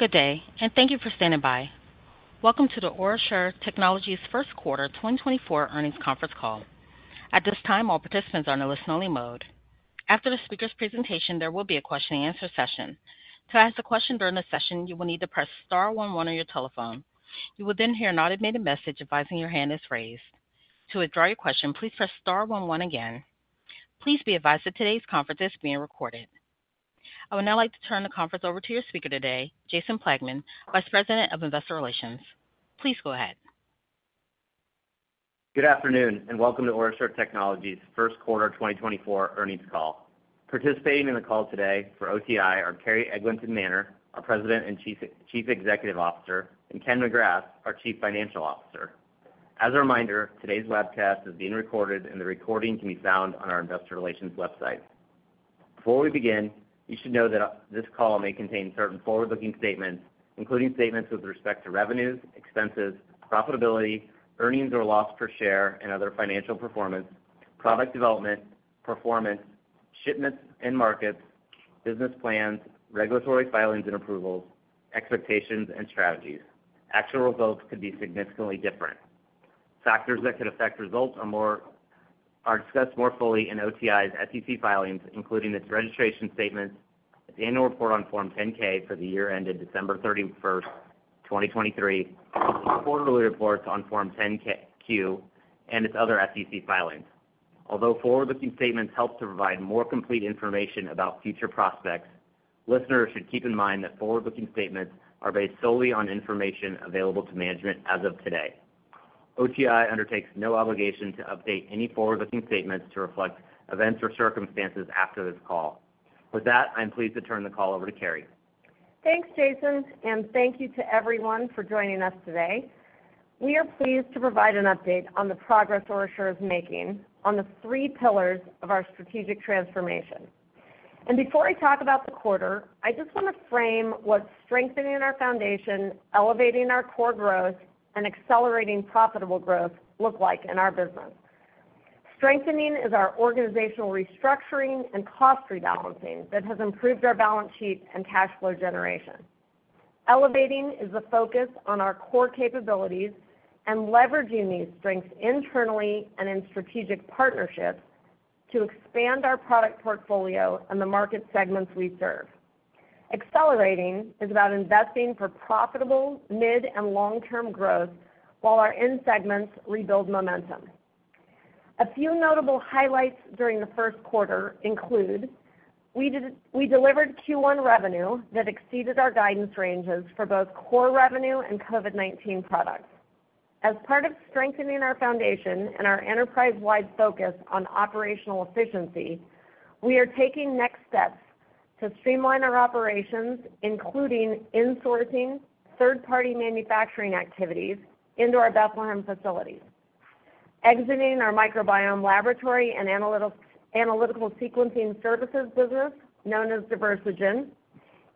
Good day, and thank you for standing by. Welcome to the OraSure Technologies Q1 2024 earnings conference call. At this time, all participants are in a listen-only mode. After the speaker's presentation, there will be a Q&A session. To ask a question during the session, you will need to press star one one on your telephone. You will then hear an automated message advising your hand is raised. To withdraw your question, please press star one one again. Please be advised that today's conference is being recorded. I would now like to turn the conference over to your speaker today, Jason Plagman, Vice President of Investor Relations. Please go ahead. Good afternoon and welcome to OraSure Technologies' Q1 2024 earnings call. Participating in the call today for OTI are Carrie Eglinton Manner, our President and Chief Executive Officer, and Ken McGrath, our Chief Financial Officer. As a reminder, today's webcast is being recorded and the recording can be found on our Investor Relations website. Before we begin, you should know that this call may contain certain forward-looking statements, including statements with respect to revenues, expenses, profitability, earnings or loss per share, and other financial performance, product development, performance, shipments and markets, business plans, regulatory filings and approvals, expectations, and strategies. Actual results could be significantly different. Factors that could affect results are discussed more fully in OTI's SEC filings, including its registration statements, its annual report on Form 10-K for the year ended December 31, 2023, its quarterly reports on Form 10-Q, and its other SEC filings. Although forward-looking statements help to provide more complete information about future prospects, listeners should keep in mind that forward-looking statements are based solely on information available to management as of today. OTI undertakes no obligation to update any forward-looking statements to reflect events or circumstances after this call. With that, I'm pleased to turn the call over to Carrie. Thanks, Jason, and thank you to everyone for joining us today. We are pleased to provide an update on the progress OraSure is making on the three pillars of our strategic transformation. Before I talk about the quarter, I just want to frame what strengthening our foundation, elevating our core growth, and accelerating profitable growth look like in our business. Strengthening is our organizational restructuring and cost rebalancing that has improved our balance sheet and cash flow generation. Elevating is the focus on our core capabilities and leveraging these strengths internally and in strategic partnerships to expand our product portfolio and the market segments we serve. Accelerating is about investing for profitable mid- and long-term growth while our end segments rebuild momentum. A few notable highlights during the Q1 include: we delivered Q1 revenue that exceeded our guidance ranges for both core revenue and COVID-19 products. As part of strengthening our foundation and our enterprise-wide focus on operational efficiency, we are taking next steps to streamline our operations, including insourcing third-party manufacturing activities into our Bethlehem facilities, exiting our microbiome laboratory and analytical sequencing services business known as Diversigen,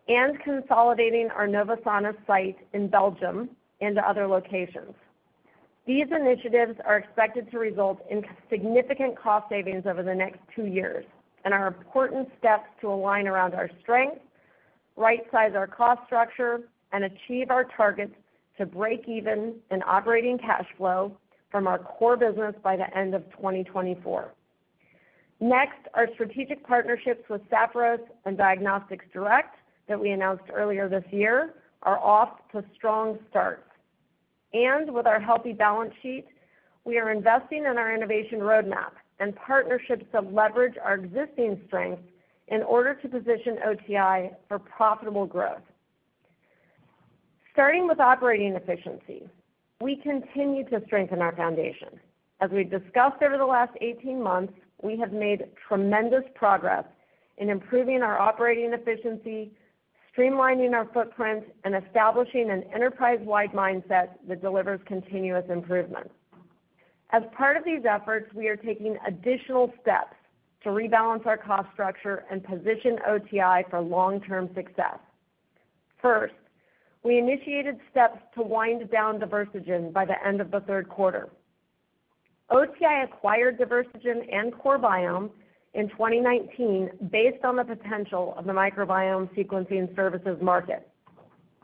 and consolidating our Novosanis site in Belgium into other locations. These initiatives are expected to result in significant cost savings over the next two years and are important steps to align around our strengths, right-size our cost structure, and achieve our targets to break even in operating cash flow from our core business by the end of 2024. Next, our strategic partnerships with Sapphiros and Diagnostics Direct that we announced earlier this year are off to strong starts. With our healthy balance sheet, we are investing in our innovation roadmap and partnerships to leverage our existing strengths in order to position OTI for profitable growth. Starting with operating efficiency, we continue to strengthen our foundation. As we've discussed over the last 18 months, we have made tremendous progress in improving our operating efficiency, streamlining our footprint, and establishing an enterprise-wide mindset that delivers continuous improvement. As part of these efforts, we are taking additional steps to rebalance our cost structure and position OTI for long-term success. First, we initiated steps to wind down Diversigen by the end of the Q3. OTI acquired Diversigen and CoreBiome in 2019 based on the potential of the microbiome sequencing services market.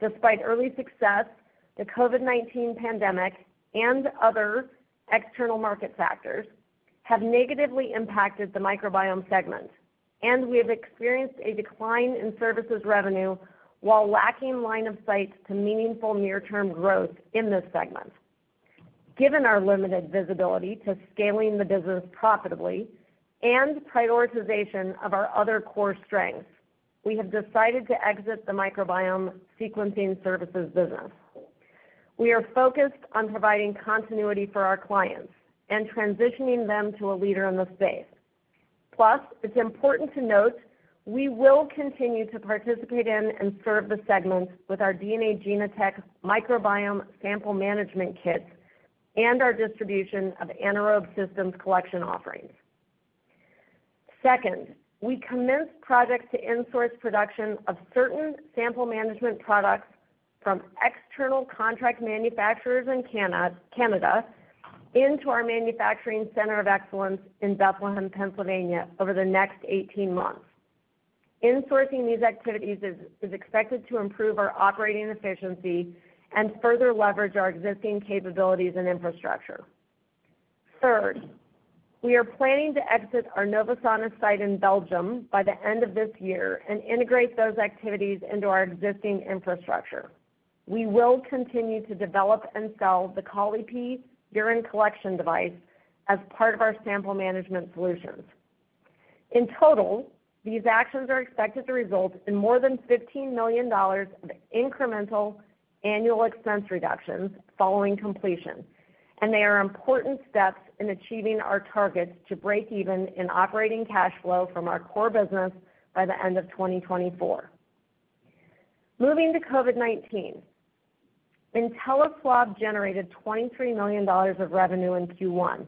Despite early success, the COVID-19 pandemic and other external market factors have negatively impacted the microbiome segment, and we have experienced a decline in services revenue while lacking line of sight to meaningful near-term growth in this segment. Given our limited visibility to scaling the business profitably and prioritization of our other core strengths, we have decided to exit the microbiome sequencing services business. We are focused on providing continuity for our clients and transitioning them to a leader in the space. Plus, it's important to note we will continue to participate in and serve the segment with our DNA Genotek microbiome sample management kits and our distribution of Anaerobe Systems collection offerings. Second, we commenced projects to insource production of certain sample management products from external contract manufacturers in Canada into our manufacturing center of excellence in Bethlehem, Pennsylvania, over the next 18 months. Insourcing these activities is expected to improve our operating efficiency and further leverage our existing capabilities and infrastructure. Third, we are planning to exit our Novosanis site in Belgium by the end of this year and integrate those activities into our existing infrastructure. We will continue to develop and sell the Colli-Pee urine collection device as part of our sample management solutions. In total, these actions are expected to result in more than $15 million of incremental annual expense reductions following completion, and they are important steps in achieving our targets to break even in operating cash flow from our core business by the end of 2024. Moving to COVID-19, InteliSwab generated $23 million of revenue in Q1.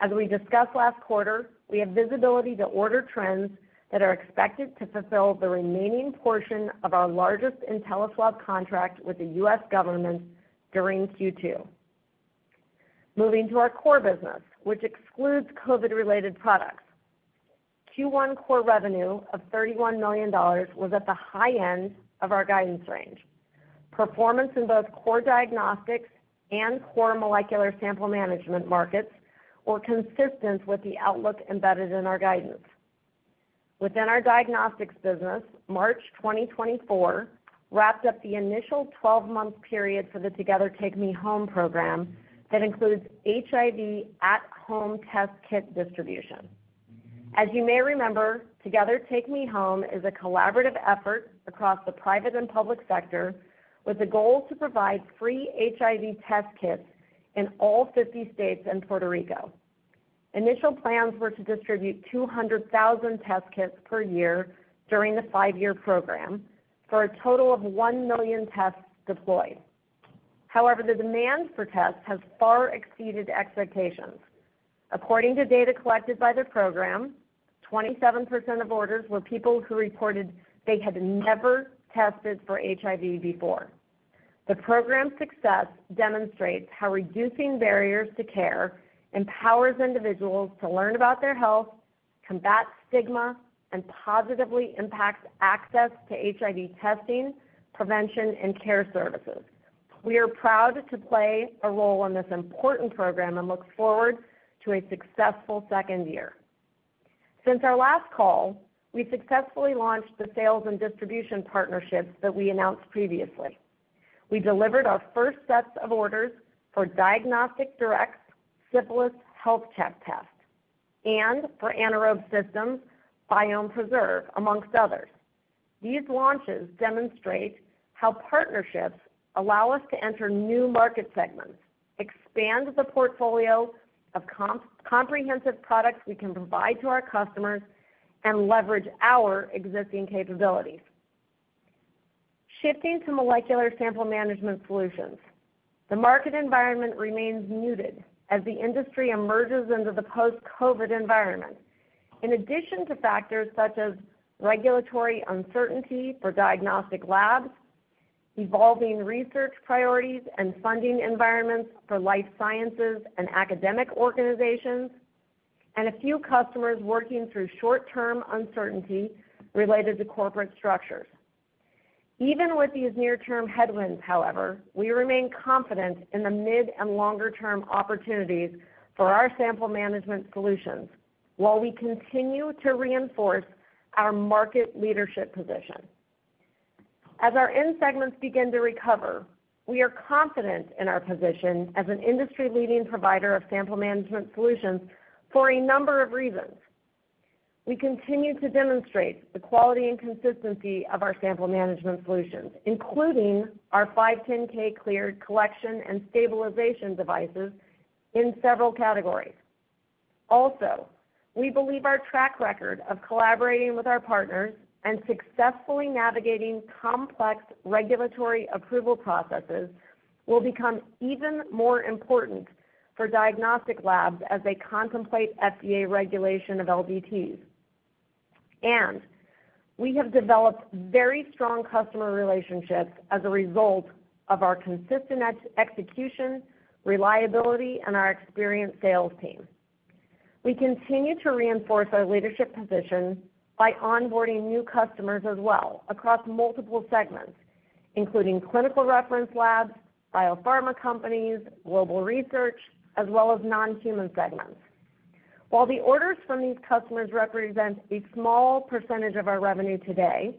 As we discussed last quarter, we have visibility to order trends that are expected to fulfill the remaining portion of our largest InteliSwab contract with the U.S. government during Q2. Moving to our core business, which excludes COVID-related products, Q1 core revenue of $31 million was at the high end of our guidance range. Performance in both core diagnostics and core molecular sample management markets were consistent with the outlook embedded in our guidance. Within our diagnostics business, March 2024 wrapped up the initial 12-month period for the Together Take Me Home program that includes HIV at-home test kit distribution. As you may remember, Together Take Me Home is a collaborative effort across the private and public sector with the goal to provide free HIV test kits in all 50 states and Puerto Rico. Initial plans were to distribute 200,000 test kits per year during the 5 years program for a total of 1 million tests deployed. However, the demand for tests has far exceeded expectations. According to data collected by the program, 27% of orders were people who reported they had never tested for HIV before. The program's success demonstrates how reducing barriers to care empowers individuals to learn about their health, combat stigma, and positively impact access to HIV testing, prevention, and care services. We are proud to play a role in this important program and look forward to a successful second year. Since our last call, we successfully launched the sales and distribution partnerships that we announced previously. We delivered our first sets of orders for Diagnostics Direct Syphilis Health Check tests and for Anaerobe Systems Biome-Preserve, among others. These launches demonstrate how partnerships allow us to enter new market segments, expand the portfolio of comprehensive products we can provide to our customers, and leverage our existing capabilities. Shifting to molecular sample management solutions, the market environment remains muted as the industry emerges into the post-COVID environment, in addition to factors such as regulatory uncertainty for diagnostic labs, evolving research priorities and funding environments for life sciences and academic organizations, and a few customers working through short-term uncertainty related to corporate structures. Even with these near-term headwinds, however, we remain confident in the mid-and longer-term opportunities for our sample management solutions while we continue to reinforce our market leadership position. As our end segments begin to recover, we are confident in our position as an industry-leading provider of sample management solutions for a number of reasons. We continue to demonstrate the quality and consistency of our sample management solutions, including our 510(k) cleared collection and stabilization devices in several categories. Also, we believe our track record of collaborating with our partners and successfully navigating complex regulatory approval processes will become even more important for diagnostic labs as they contemplate FDA regulation of LDTs. And we have developed very strong customer relationships as a result of our consistent execution, reliability, and our experienced sales team. We continue to reinforce our leadership position by onboarding new customers as well across multiple segments, including clinical reference labs, biopharma companies, global research, as well as non-human segments. While the orders from these customers represent a small percentage of our revenue today,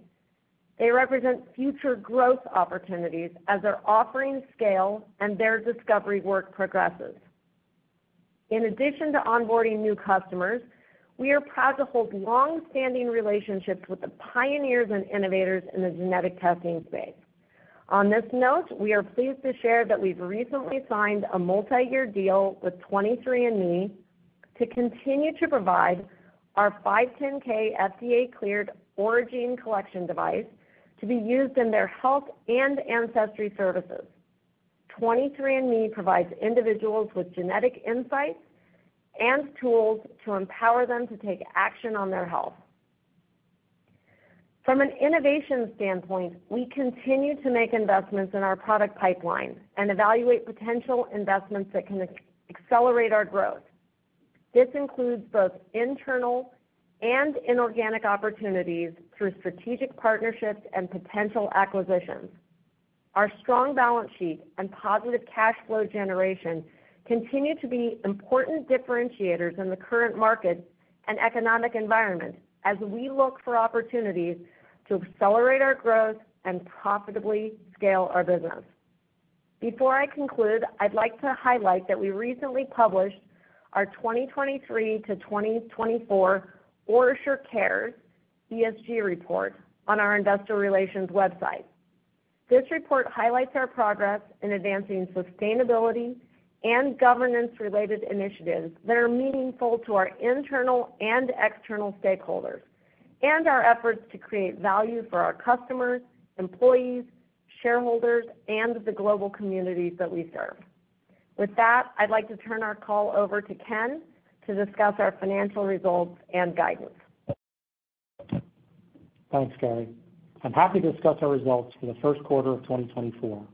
they represent future growth opportunities as their offerings scale and their discovery work progresses. In addition to onboarding new customers, we are proud to hold long-standing relationships with the pioneers and innovators in the genetic testing space. On this note, we are pleased to share that we've recently signed a multi-year deal with 23andMe to continue to provide our 510(k) FDA cleared Oragene collection device to be used in their health and ancestry services. 23andMe provides individuals with genetic insights and tools to empower them to take action on their health. From an innovation standpoint, we continue to make investments in our product pipeline and evaluate potential investments that can accelerate our growth. This includes both internal and inorganic opportunities through strategic partnerships and potential acquisitions. Our strong balance sheet and positive cash flow generation continue to be important differentiators in the current market and economic environment as we look for opportunities to accelerate our growth and profitably scale our business. Before I conclude, I'd like to highlight that we recently published our 2023 to 2024 OraSure CARES ESG report on our investor relations website. This report highlights our progress in advancing sustainability and governance-related initiatives that are meaningful to our internal and external stakeholders and our efforts to create value for our customers, employees, shareholders, and the global communities that we serve. With that, I'd like to turn our call over to Ken to discuss our financial results and guidance. Thanks, Carrie. I'm happy to discuss our results for the Q1 of 2024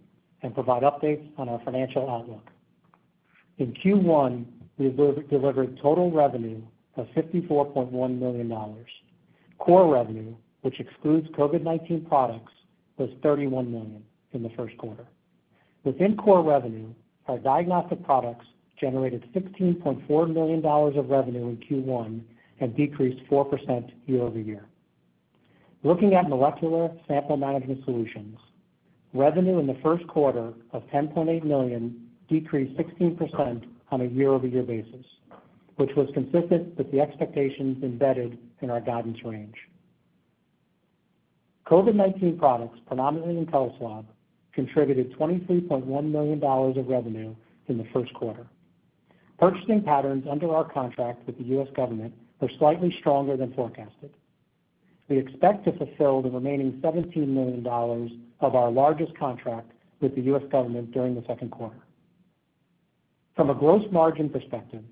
and provide updates on our financial outlook. In Q1, we delivered total revenue of $54.1 million. Core revenue, which excludes COVID-19 products, was $31 million in the Q1. Within core revenue, our diagnostic products generated $16.4 million of revenue in Q1 and decreased 4% year-over-year. Looking at molecular sample management solutions, revenue in the Q1 of $10.8 million decreased 16% on a year-over-year basis, which was consistent with the expectations embedded in our guidance range. COVID-19 products, predominantly InteliSwab, contributed $23.1 million of revenue in the Q1. Purchasing patterns under our contract with the U.S. government are slightly stronger than forecasted. We expect to fulfill the remaining $17 million of our largest contract with the U.S. government during the Q2. From a gross margin perspective,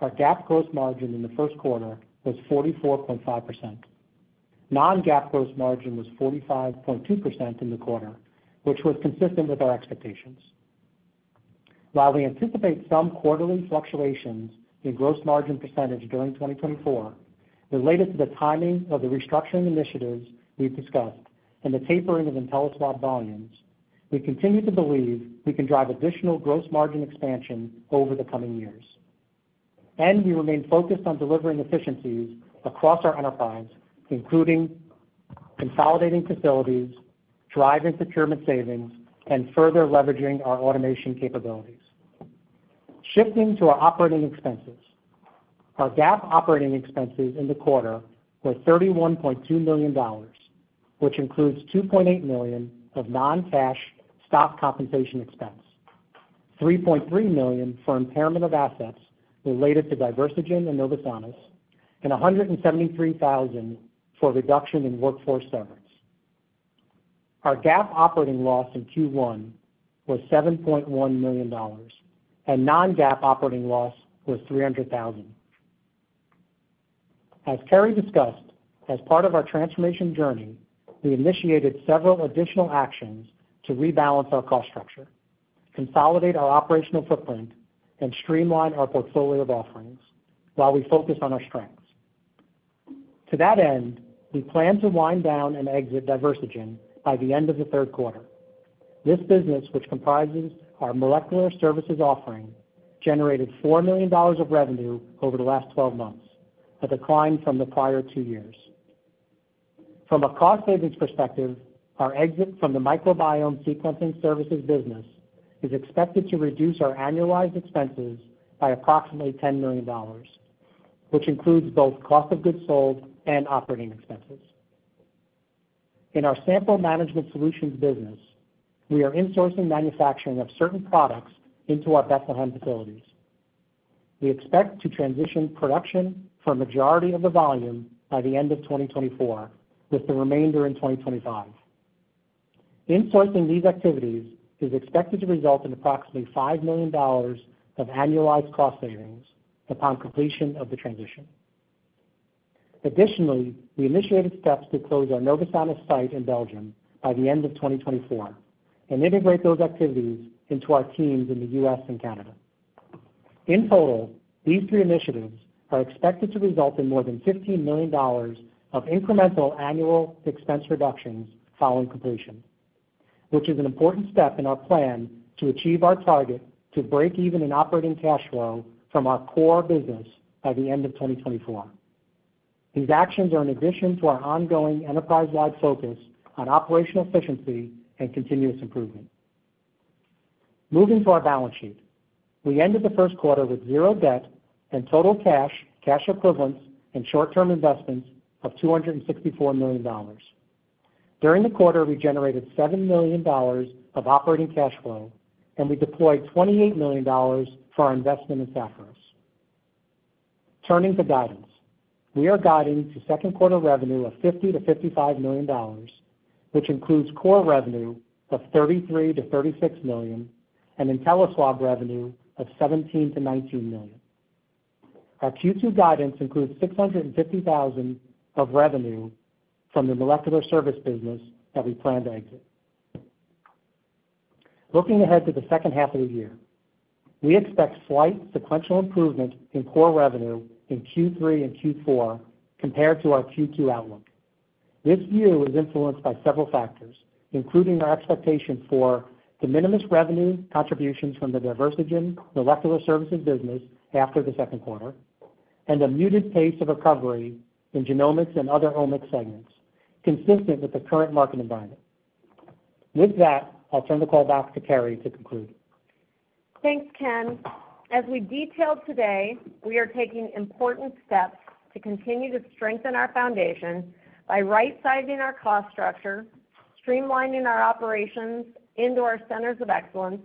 our GAAP gross margin in the Q1 was 44.5%. Non-GAAP gross margin was 45.2% in the quarter, which was consistent with our expectations. While we anticipate some quarterly fluctuations in gross margin percentage during 2024 related to the timing of the restructuring initiatives we've discussed and the tapering of InteliSwab volumes, we continue to believe we can drive additional gross margin expansion over the coming years. We remain focused on delivering efficiencies across our enterprise, including consolidating facilities, driving procurement savings, and further leveraging our automation capabilities. Shifting to our operating expenses, our GAAP operating expenses in the quarter were $31.2 million, which includes $2.8 million of non-cash stock compensation expense, $3.3 million for impairment of assets related to Diversigen and Novosanis, and $173,000 for reduction in workforce severance. Our GAAP operating loss in Q1 was $7.1 million, and non-GAAP operating loss was $300,000. As Carrie discussed, as part of our transformation journey, we initiated several additional actions to rebalance our cost structure, consolidate our operational footprint, and streamline our portfolio of offerings while we focus on our strengths. To that end, we plan to wind down and exit Diversigen by the end of the Q3. This business, which comprises our molecular services offering, generated $4 million of revenue over the last 12 months, a decline from the prior 2 years. From a cost savings perspective, our exit from the microbiome sequencing services business is expected to reduce our annualized expenses by approximately $10 million, which includes both cost of goods sold and operating expenses. In our sample management solutions business, we are insourcing manufacturing of certain products into our Bethlehem facilities. We expect to transition production for a majority of the volume by the end of 2024 with the remainder in 2025. Insourcing these activities is expected to result in approximately $5 million of annualized cost savings upon completion of the transition. Additionally, we initiated steps to close our Novosanis site in Belgium by the end of 2024 and integrate those activities into our teams in the U.S. and Canada. In total, these three initiatives are expected to result in more than $15 million of incremental annual expense reductions following completion, which is an important step in our plan to achieve our target to break even in operating cash flow from our core business by the end of 2024. These actions are in addition to our ongoing enterprise-wide focus on operational efficiency and continuous improvement. Moving to our balance sheet, we ended the Q1 with zero debt and total cash, cash equivalents, and short-term investments of $264 million. During the quarter, we generated $7 million of operating cash flow, and we deployed $28 million for our investment in Sapphiros. Turning to guidance, we are guiding to Q2 revenue of $50 million-$55, which includes core revenue of $33 million-$36 million and InteliSwab revenue of $17-$19 million. Our Q2 guidance includes $650,000 of revenue from the molecular service business that we plan to exit. Looking ahead to the second half of the year, we expect slight sequential improvement in core revenue in Q3 and Q4 compared to our Q2 outlook. This view is influenced by several factors, including our expectation for the minimal revenue contributions from the Diversigen molecular services business after the Q2 and the muted pace of recovery in genomics and other omics segments, consistent with the current market environment. With that, I'll turn the call back to Carrie to conclude. Thanks, Ken. As we detailed today, we are taking important steps to continue to strengthen our foundation by right-sizing our cost structure, streamlining our operations into our centers of excellence,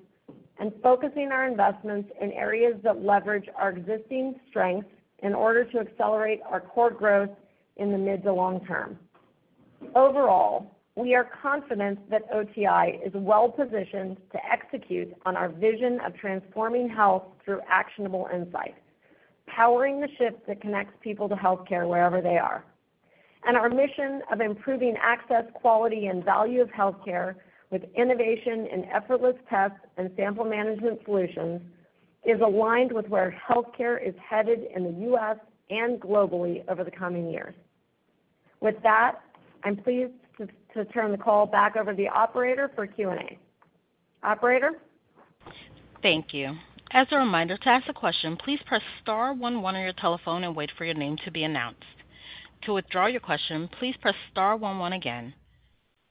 and focusing our investments in areas that leverage our existing strengths in order to accelerate our core growth in the mid to long term. Overall, we are confident that OTI is well-positioned to execute on our vision of transforming health through actionable insights, powering the shift that connects people to healthcare wherever they are. And our mission of improving access, quality, and value of healthcare with innovation and effortless tests and sample management solutions is aligned with where healthcare is headed in the U.S. and globally over the coming years. With that, I'm pleased to turn the call back over to the operator for Q&A. Operator? Thank you. As a reminder to ask a question, please press star one one on your telephone and wait for your name to be announced. To withdraw your question, please press star one one again.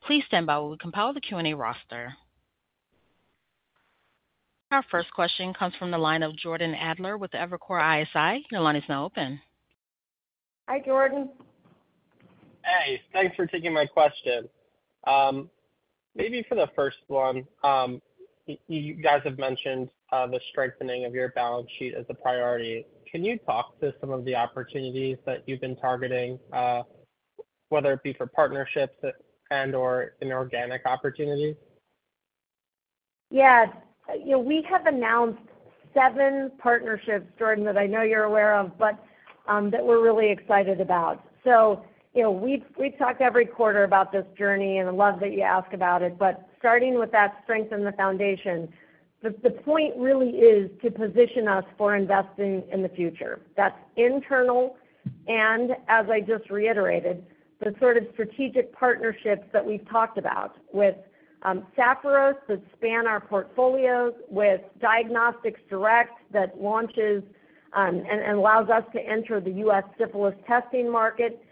Please stand by while we compile the Q&A roster. Our first question comes from the line of Jordan Adler with Evercore ISI. Your line is now open. Hi, Jordan. Hey. Thanks for taking my question. Maybe for the first one, you guys have mentioned the strengthening of your balance sheet as a priority. Can you talk to some of the opportunities that you've been targeting, whether it be for partnerships and/or inorganic opportunities? Yeah. We have announced seven partnerships, Jordan, that I know you're aware of, but that we're really excited about. So we've talked every quarter about this journey, and I love that you ask about it. But starting with that strength in the foundation, the point really is to position us for investing in the future. That's internal. And as I just reiterated, the sort of strategic partnerships that we've talked about with Sapphiros that span our portfolios, with Diagnostics Direct that launches and allows us to enter the U.S. syphilis testing market,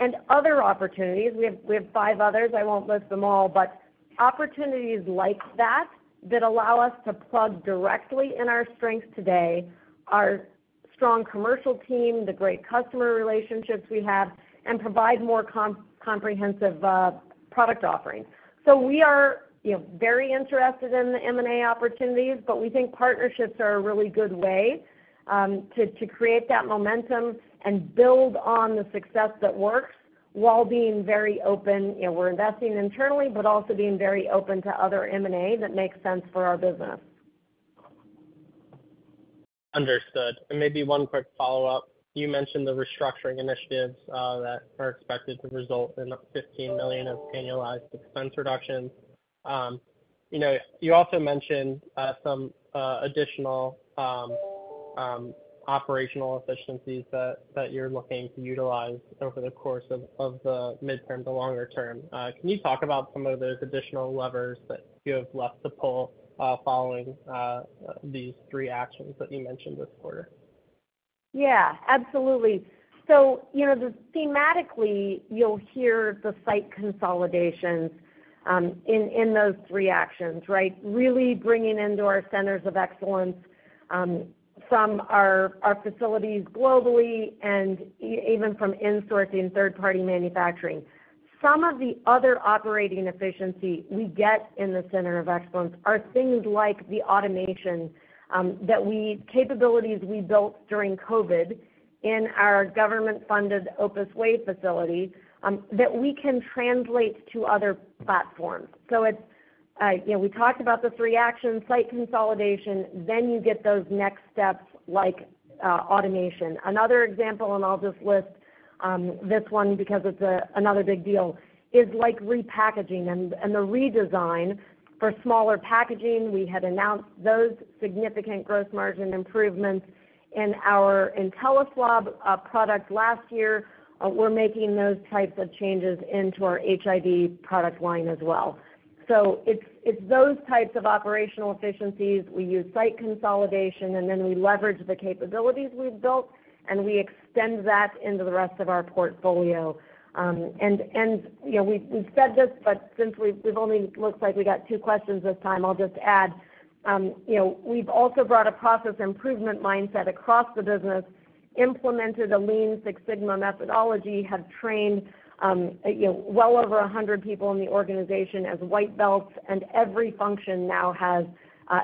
and other opportunities. We have five others. I won't list them all. But opportunities like that that allow us to plug directly in our strengths today are strong commercial team, the great customer relationships we have, and provide more comprehensive product offerings. We are very interested in the M&A opportunities, but we think partnerships are a really good way to create that momentum and build on the success that works while being very open. We're investing internally, but also being very open to other M&A that makes sense for our business. Understood. Maybe one quick follow-up. You mentioned the restructuring initiatives that are expected to result in $15 million of annualized expense reductions. You also mentioned some additional operational efficiencies that you're looking to utilize over the course of the midterm to longer term. Can you talk about some of those additional levers that you have left to pull following these three actions that you mentioned this quarter? Yeah, absolutely. So thematically, you'll hear the site consolidations in those three actions, right? Really bringing into our centers of excellence from our facilities globally and even from insourcing third-party manufacturing. Some of the other operating efficiency we get in the center of excellence are things like the automation capabilities we built during COVID in our government-funded Opus Way facility that we can translate to other platforms. So we talked about the three actions, site consolidation, then you get those next steps like automation. Another example, and I'll just list this one because it's another big deal, is repackaging and the redesign for smaller packaging. We had announced those significant gross margin improvements in our InteliSwab products last year. We're making those types of changes into our HIV product line as well. So it's those types of operational efficiencies. We use site consolidation, and then we leverage the capabilities we've built, and we extend that into the rest of our portfolio. And we've said this, but since it only looks like we got two questions this time, I'll just add. We've also brought a process improvement mindset across the business, implemented a Lean Six Sigma methodology, have trained well over 100 people in the organization as White Belts, and every function now has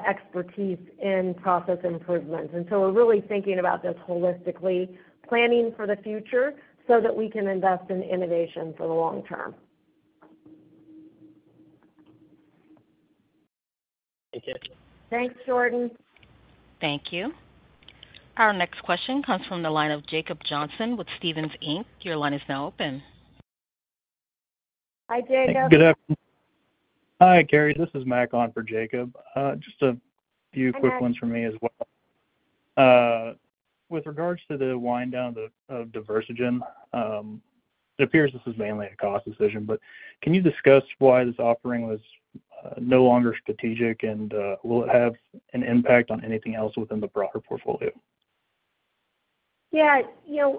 expertise in process improvements. And so we're really thinking about this holistically, planning for the future so that we can invest in innovation for the long term. Thank you. Thanks, Jordan. Thank you. Our next question comes from the line of Jacob Johnson with Stephens Inc. Your line is now open. Hi, Jacob. Good afternoon. Hi, Carrie. This is Mac on for Jacob. Just a few quick ones from me as well. With regards to the wind-down of Diversigen, it appears this is mainly a cost decision. But can you discuss why this offering was no longer strategic, and will it have an impact on anything else within the broader portfolio? Yeah.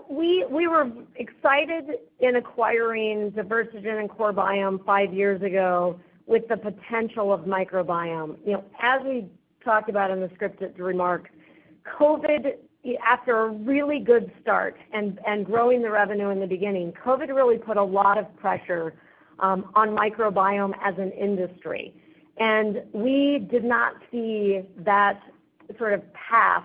We were excited in acquiring Diversigen and CoreBiome 5 years ago with the potential of microbiome. As we talked about in the scripted remark, COVID, after a really good start and growing the revenue in the beginning, COVID really put a lot of pressure on microbiome as an industry. And we did not see that sort of path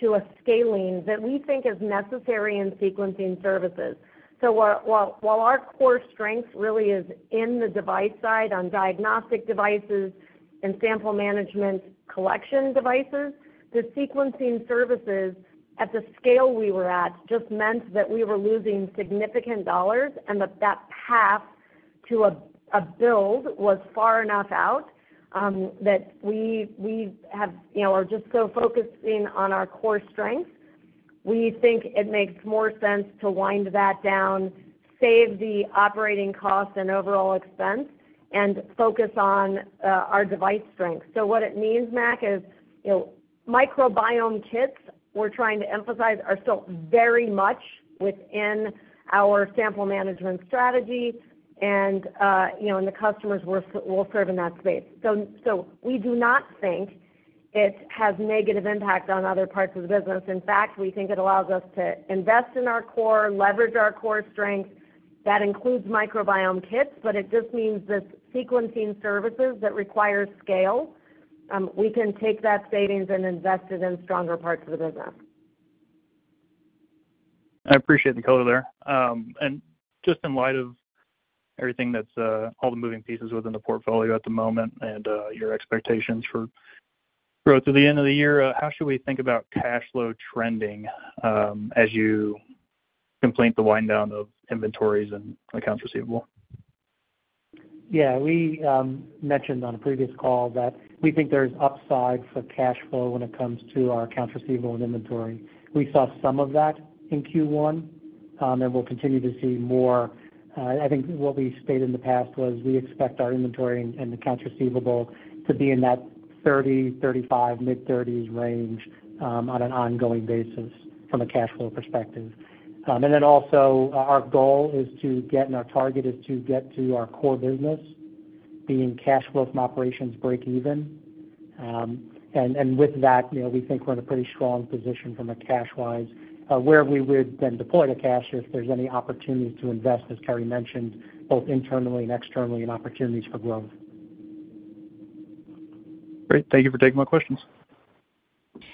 to a scaling that we think is necessary in sequencing services. So while our core strength really is in the device side on diagnostic devices and sample management collection devices, the sequencing services, at the scale we were at, just meant that we were losing significant dollars, and that path to a build was far enough out that we are just so focused on our core strengths, we think it makes more sense to wind that down, save the operating cost and overall expense, and focus on our device strengths. What it means, Mac, is microbiome kits, we're trying to emphasize, are still very much within our sample management strategy, and the customers we'll serve in that space. We do not think it has negative impact on other parts of the business. In fact, we think it allows us to invest in our core, leverage our core strengths. That includes microbiome kits, but it just means that sequencing services that require scale, we can take that savings and invest it in stronger parts of the business. I appreciate the color there. Just in light of everything that's all the moving pieces within the portfolio at the moment and your expectations for growth at the end of the year, how should we think about cash flow trending as you complete the wind-down of inventories and accounts receivable? Yeah. We mentioned on a previous call that we think there's upside for cash flow when it comes to our accounts receivable and inventory. We saw some of that in Q1, and we'll continue to see more. I think what we stated in the past was we expect our inventory and accounts receivable to be in that 30, 35, mid-30s range on an ongoing basis from a cash flow perspective. And then also, our goal is to get and our target is to get to our core business being cash flow from operations break-even. And with that, we think we're in a pretty strong position from a cash-wise where we would then deploy the cash if there's any opportunities to invest, as Carrie mentioned, both internally and externally, and opportunities for growth. Great. Thank you for taking my questions.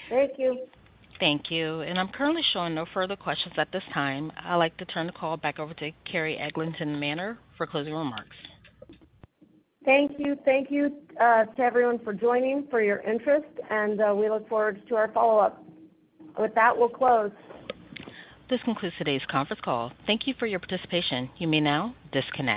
Thank you. Thank you. I'm currently showing no further questions at this time. I'd like to turn the call back over to Carrie Eglinton Manner for closing remarks. Thank you. Thank you to everyone for joining, for your interest, and we look forward to our follow-up. With that, we'll close. This concludes today's conference call. Thank you for your participation. You may now disconnect.